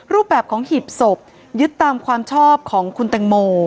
รูปแบบของหีบศพยึดตามความชอบของคุณแตงโม